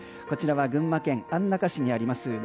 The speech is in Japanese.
こちらは群馬県安中市にあります